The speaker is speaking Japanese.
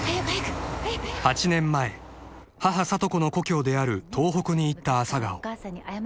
［８年前母里子の故郷である東北に行った朝顔］